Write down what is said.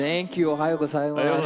おはようございます。